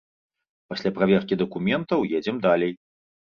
Пасля праверкі дакументаў едзем далей.